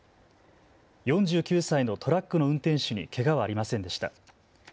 ４９歳のトラックの運転手にけがはありませんでした。